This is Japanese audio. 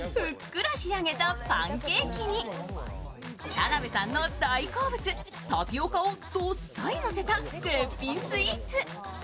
田辺さんの大好物、タピオカをどっさりのせた絶品スイーツ。